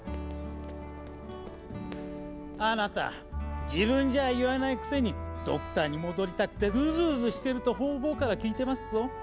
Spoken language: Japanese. あなた自分じゃ言わないくせにドクターに戻りたくてうずうずしてると方々から聞いてますぞ。